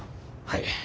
はい。